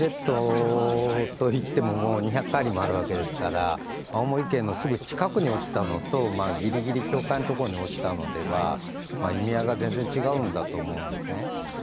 ＥＥＺといっても２００海里もあるわけですから青森県のすぐ近くに落ちたのと、ギリギリ境界のところに落ちたのでは意味合いが全然違うんだと思うんですね。